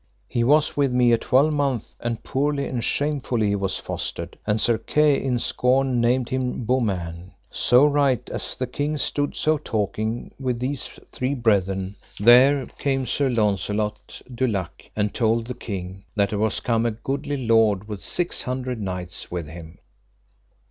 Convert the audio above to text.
He was with me a twelvemonth, and poorly and shamefully he was fostered, and Sir Kay in scorn named him Beaumains. So right as the king stood so talking with these three brethren, there came Sir Launcelot du Lake, and told the king that there was come a goodly lord with six hundred knights with him.